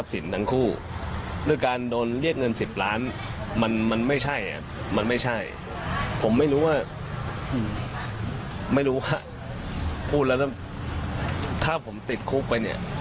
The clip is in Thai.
พูดแล้วนะถ้าผมติดคุกไปเนี่ย